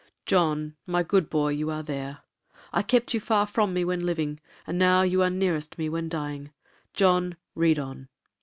'John, my good boy, you are there.—I kept you far from me when living, and now you are nearest me when dying.—John, read on.'